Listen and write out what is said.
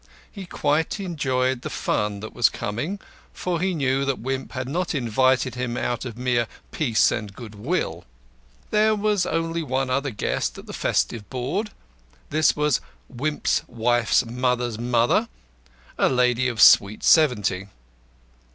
He quite enjoyed the fun that was coming, for he knew that Wimp had not invited him out of mere "peace and goodwill." There was only one other guest at the festive board. This was Wimp's wife's mother's mother, a lady of sweet seventy.